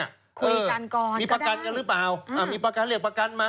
คุยกันก่อนมีประกันกันหรือเปล่ามีประกันเรียกประกันมา